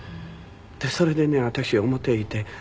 それでね私が表へいて。